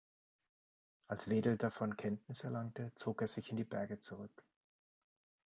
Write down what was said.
Als Vedel davon Kenntnis erlangte, zog er sich in die Berge zurück.